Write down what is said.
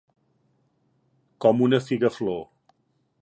Com una figaflor.